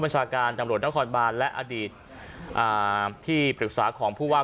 ประชาการจำหลวนนครบาลและอดีตอ่าที่ปริศาของผู้ว่า